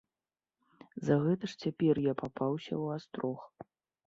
За гэта ж цяпер я папаўся ў астрог.